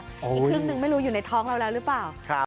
อีกครึ่งนึงไม่รู้อยู่ในท้องเราแล้วหรือเปล่า